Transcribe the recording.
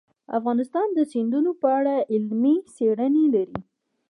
افغانستان د سیندونه په اړه علمي څېړنې لري.